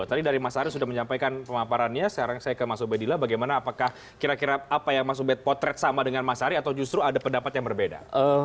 tadi dari mas ari sudah menyampaikan pemaparannya sekarang saya ke mas ubedillah bagaimana apakah kira kira apa yang mas ubed potret sama dengan mas ari atau justru ada pendapat yang berbeda